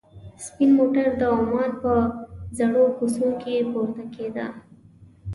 سپین موټر د عمان په زړو کوڅو کې پورته کېده.